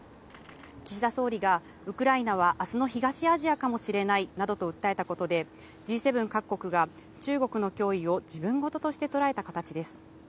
岸田総理が、ウクライナはあすの東アジアかもしれないなどと訴えたことで、Ｇ７各国が中国の脅威をじぶんごととして捉えた形です。